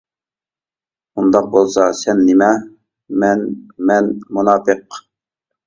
-ئۇنداق بولسا سەن نېمە؟ -مەن. مەن مۇناپىق!